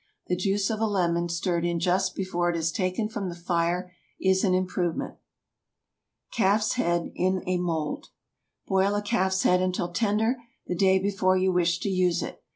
The juice of a lemon, stirred in just before it is taken from the fire, is an improvement. CALF'S HEAD IN A MOULD. Boil a calf's head until tender, the day before you wish to use it.